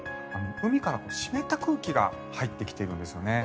海から湿った空気が入ってきているんですよね。